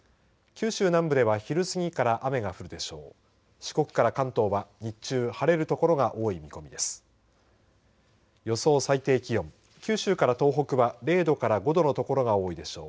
九州南部では昼過ぎから雨が降るでしょう。